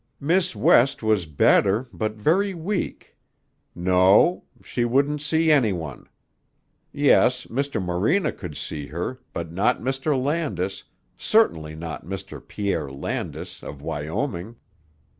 "Miss West was better, but very weak. No. She wouldn't see any one. Yes, Mr. Morena could see her, but not Mr. Landis, certainly not Mr. Pierre Landis, of Wyoming."